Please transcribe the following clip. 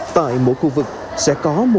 tại mỗi khu vực sẽ có một đến một